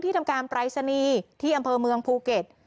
ทำการปรายศนีย์ที่อำเภอเมืองภูเก็ต